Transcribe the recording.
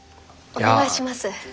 お願いします。